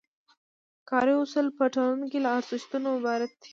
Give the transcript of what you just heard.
کاري اصول په ټولنه کې له ارزښتونو عبارت دي.